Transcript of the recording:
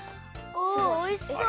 おおいしそう。